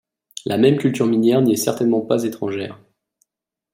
La même culture minière n'y est certainement pas étrangère.